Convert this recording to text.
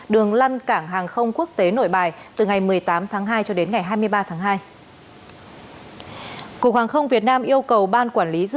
đường lăn cảng hàng không quốc tế nội bài